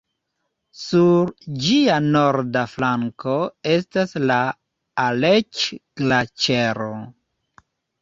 Sur ĝia norda flanko estas la Aleĉ-Glaĉero.